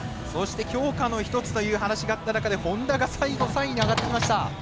強化の一つという話があった中で本多が最後３位に上がってきました。